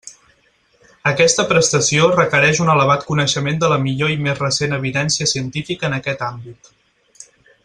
Aquesta prestació requereix un elevat coneixement de la millor i més recent evidència científica en aquest àmbit.